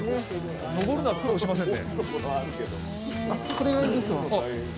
登るのは苦労しませんね。